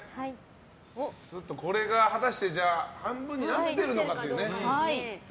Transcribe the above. これが果たして半分になってるのかというね。